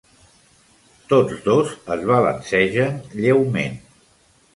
Tots dos es balancegen lleument.